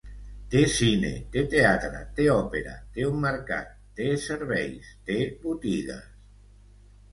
Té cine, té teatre, té òpera, té un mercat, té serveis, té botigues.